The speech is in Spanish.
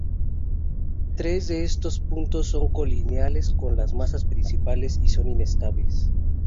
Tres de estos puntos son colineales con las masas principales y son inestables.